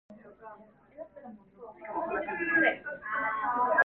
自求多福